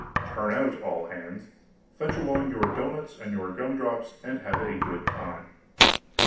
Turn out, all hands! fetch along your dou3hnuts and your gum drops and have a good time.